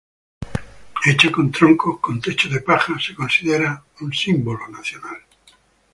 Hecha con troncos, con techo de paja, se considera un símbolo nacional.